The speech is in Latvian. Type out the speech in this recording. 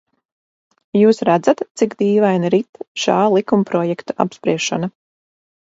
Jūs redzat, cik dīvaini rit šā likumprojekta apspriešana.